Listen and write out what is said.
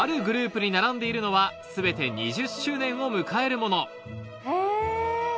グループに並んでいるのは全て２０周年を迎えるものへぇ！